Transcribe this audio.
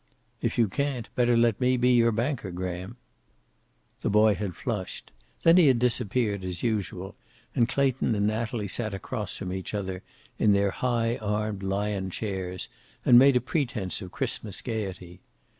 "If you can't, better let me be your banker, Graham." The boy had flushed. Then he had disappeared, as usual, and Clayton and Natalie sat across from each other, in their high armed lion chairs, and made a pretense of Christmas gayety.